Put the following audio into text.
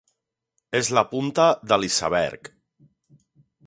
És la punta de l'iceberg.